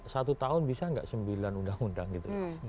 satu tahun bisa nggak sembilan undang undang gitu